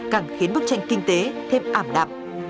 càng khiến bức tranh kinh tế thêm ảm đạm